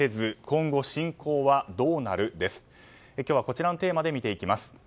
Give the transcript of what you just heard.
今日はこちらのテーマで見ていきます。